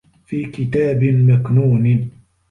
في كِتابٍ مَكنونٍ